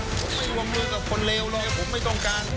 ผมไม่วงเรื่องกับคนเลวหรอกผมไม่ต้องการ